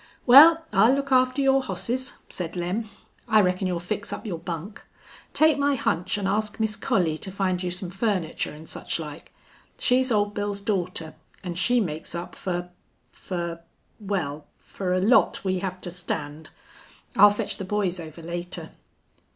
"Wal, I'll look after your hosses," said Lem. "I reckon you'll fix up your bunk. Take my hunch an' ask Miss Collie to find you some furniture an' sich like. She's Ole Bill's daughter, an' she makes up fer fer wal, fer a lot we hev to stand. I'll fetch the boys over later."